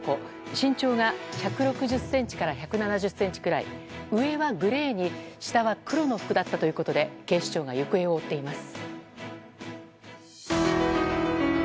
身長が１６０ｃｍから１７０ｃｍくらい上はグレーに下は黒の服だったということで警視庁が行方を追っています。